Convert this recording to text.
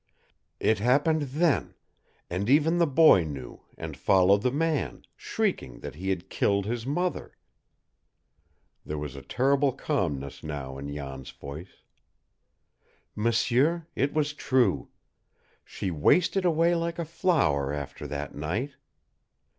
It happened THEN, and even the boy knew, and followed the man, shrieking that he had killed his mother." There was a terrible calmness now in Jan's voice. "M'sieur, it was true. She wasted away like a flower after that night.